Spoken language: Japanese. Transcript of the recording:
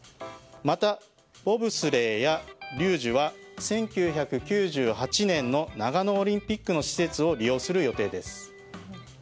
また、ボブスレーやリュージュは１９９８年の長野オリンピックの施設を利用する予定です。